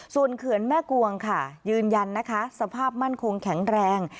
ส่วนเขื่อนแม่กวงค่ะยืนยันนะคะสภาพมั่นคงแข็งแรง